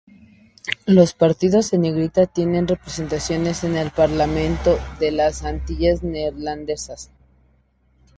Los partidos en negrita tienen representación en el parlamento de las Antillas Neerlandesas.